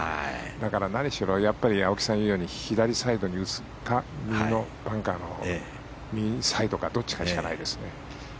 だから何しろ青木さんが言うように左サイドに打つか右のバンカーの右サイドかどっちかしかないですね。